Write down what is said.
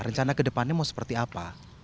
rencana kedepannya mau seperti apa